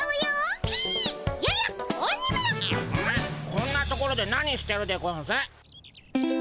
こんな所で何してるでゴンス？